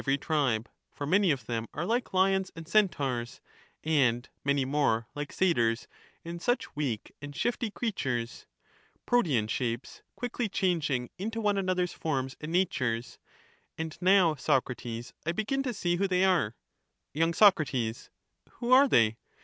every tribe ; for many of them are like lions and ^ntaurs, appears' in and many more like satyrs and such weak and shifty crea* ^^' su tures ;— Protean shapes quickly changing into one another's by his forms and natures ; and now, Socrates, I begin to see who *«>op who , take they are. Prolan y. Soc. Who are they